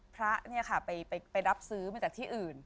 พระเนี่ยค่ะไปรับซื้อมาจากที่อื่น